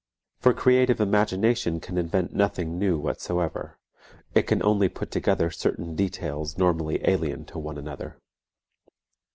For creative imagination can invent nothing new whatsoever, it can only put together certain details normally alien to one another.